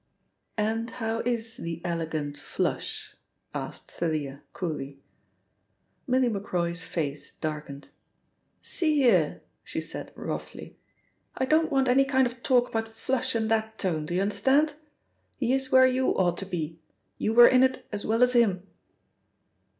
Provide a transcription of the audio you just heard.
"And how is the elegant 'Flush'?" asked Thalia coolly. Millie Macroy's face darkened. "See here," she said roughly, "I don't want any kind of talk about 'Flush' in that tone, do you understand? He is where you ought to be. You were in it as well as him."